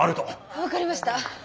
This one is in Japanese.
分かりました。